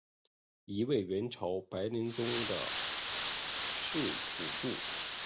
一位是元朝白莲宗的释普度。